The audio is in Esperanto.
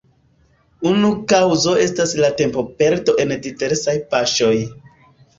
Unu kaŭzo estas la tempoperdo en diversaj paŝoj.